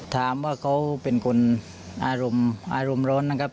ถามว่าเขาเป็นคนอารมณ์อารมณ์ร้อนนะครับ